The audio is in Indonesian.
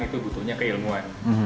itu butuhnya keilmuan